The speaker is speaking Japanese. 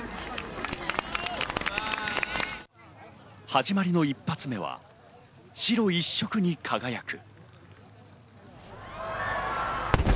始まりの１発目は、白一色に輝く。